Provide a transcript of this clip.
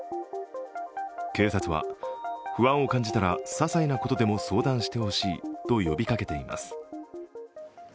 警察は、不安を感じたらささいなことでも相談してほしいと呼びかけています。